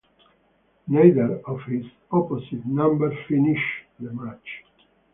Neither of his opposite numbers finished the match.